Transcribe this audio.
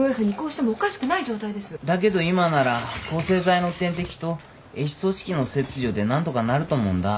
だけど今なら抗生剤の点滴と壊死組織の切除で何とかなると思うんだ。